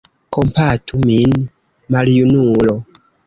Kompatu min, maljunulo!